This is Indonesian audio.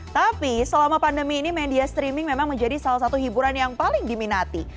tapi selama pandemi ini media streaming memang menjadi salah satu hiburan yang paling diminati